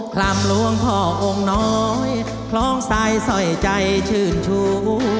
คำหลวงพ่อองค์น้อยคล้องซ้ายสอยใจชื่นชู